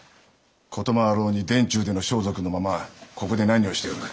事もあろうに殿中での装束のままここで何をしておる？